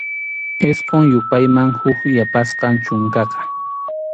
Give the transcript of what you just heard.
Isqun yupayman huk yapasqam chunkaqa.